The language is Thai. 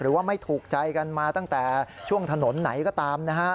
ไม่ถูกใจกันมาตั้งแต่ช่วงถนนไหนก็ตามนะฮะ